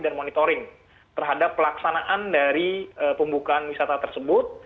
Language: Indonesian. dan monitoring terhadap pelaksanaan dari pembukaan wisata tersebut